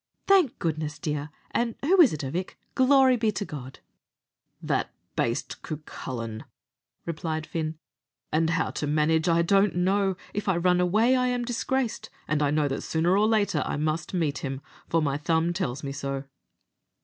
"Thank goodness, dear! an' who is it, avick? Glory be to God!" "That baste, Cucullin," replied Fin; "and how to manage I don't know. If I run away, I am disgraced; and I know that sooner or later I must meet him, for my thumb tells me so."